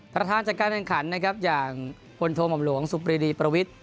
ประธานจัดการแข่งขันนะครับอย่างพลโทหม่อมหลวงสุปรีดีประวิทธิ